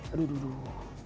aduh aduh aduh